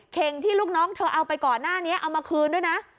ที่ลูกน้องเธอเอาไปก่อนหน้านี้เอามาคืนด้วยนะ